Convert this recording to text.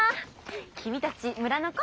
君たち村の子？